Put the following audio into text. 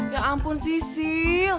ya ampun sisil